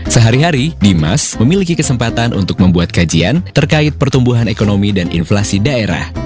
sehari hari dimas memiliki kesempatan untuk membuat kajian terkait pertumbuhan ekonomi dan inflasi daerah